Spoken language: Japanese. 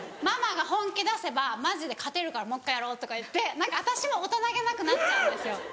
「ママが本気出せばマジで勝てるからもう１回やろう」とか言って私も大人げなくなっちゃうんですよ。